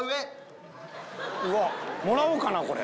もらおうかなこれ。